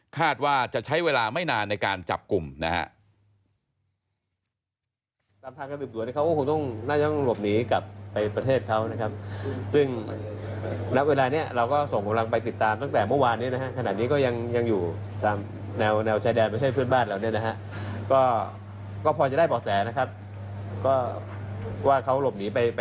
คาดว่าจะใช้เวลาไม่นานในการจับกลุ่มนะฮะ